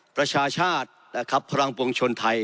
ประชาชาตินะครับพลังปวงชนไทย